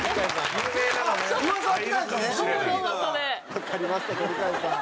わかりました鳥飼さん。